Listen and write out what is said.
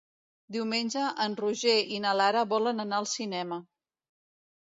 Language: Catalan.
Diumenge en Roger i na Lara volen anar al cinema.